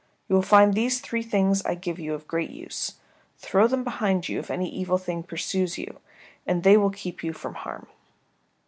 You will find these three things I give you of great use. Throw them behind you if any evil thing pursues you, and they will keep you from harm."